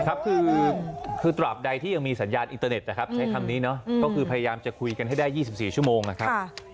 คือตราบใดที่ยังมีสัญญาณอินเตอร์เน็ตนะครับใช้คำนี้เนาะก็คือพยายามจะคุยกันให้ได้๒๔ชั่วโมงนะครับ